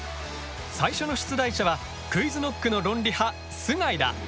最初の出題者はＱｕｉｚＫｎｏｃｋの論理派須貝だ！